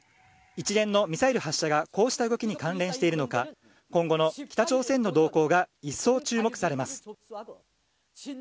一連のミサイル発射がこうした動きに関連しているのか、今後の北朝鮮の動向が一層注目されます。